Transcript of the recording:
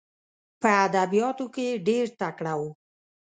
په ادبیاتو کې ډېر تکړه وو.